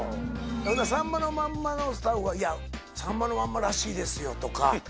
ほんなら『さんまのまんま』のスタッフが「『さんまのまんま』らしいですよ」。